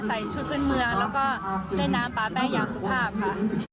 ใส่ชุดพื้นเมืองแล้วก็เล่นน้ำปาแป้อย่างสุภาพค่ะ